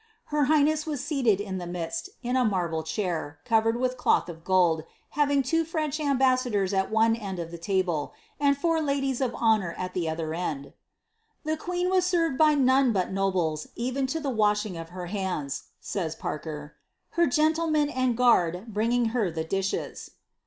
Her highness was seated in the midst, in a marble chair, covered with cloth of gold, having two French am bassadors at one end of the table, and four ladies of honour at the other end. ^ The queen was served by none but nobles, even to the washing of her hands," says Parker, ^^ her gentlemen and guard bringing her the dishes."